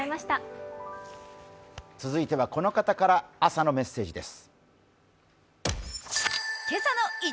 続いてはこの方から朝のメッセージです。